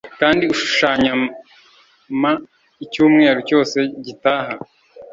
kandi ushushanya ma icyumweru cyose gitaha